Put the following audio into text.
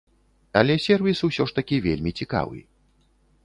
Але сервіс усё ж такі вельмі цікавы.